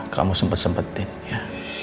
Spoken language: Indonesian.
kamu sempet sempetin ya